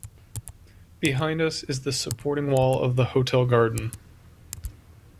Behind us is the supporting wall of the hotel garden.